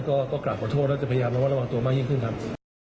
ก็กลับขอโทษแล้วจะพยายามระวัดระวังตัวมากยิ่งขึ้นครับ